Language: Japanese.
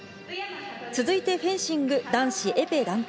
続いて、フェンシング男子エペ団体。